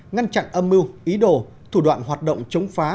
ngăn chặn âm mưu ý đồ thủ đoạn hoạt động chống phá